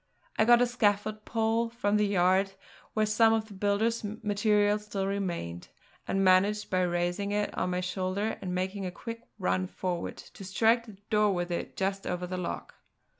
I got a scaffold pole from the yard where some of the builder's material still remained, and managed by raising it on my shoulder and making a quick run forward to strike the door with it just over the lock.